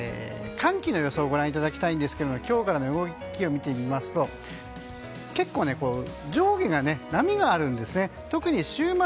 寒気の予想をご覧いただきたいんですが今日からの動きを見てみますと結構上下の波があるんですね。